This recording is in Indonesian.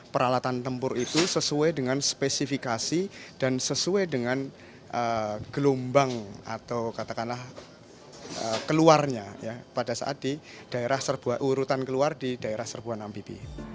peralatan tempur itu sesuai dengan spesifikasi dan sesuai dengan gelombang atau katakanlah keluarnya pada saat di daerah serbuan urutan keluar di daerah serbuan ambibi